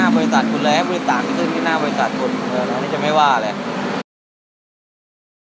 เป็นอย่างนี้ไม่งั้นคุณก็ไปตรวจหน้าบริษัทคุณแล้ว